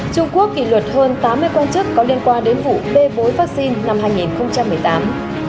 trung quốc kỷ luật hơn tám mươi quan chức có liên quan đến vụ bê bối vaccine năm hai nghìn một mươi tám